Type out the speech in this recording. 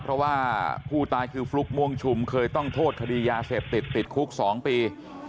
เพราะว่าผู้ตายคือฟลุ๊กม่วงชุมเคยต้องโทษคดียาเสพติดติดคุก๒ปี